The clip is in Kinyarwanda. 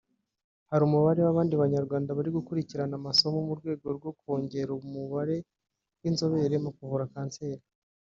hari umubare w’abandi Banyarwanda bari gukurikirana amasomo mu rwego rwo kongera umubare w’inzobere mu kuvura Kanseri